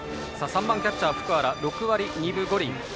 ３番キャッチャー、福原は６割２分５厘。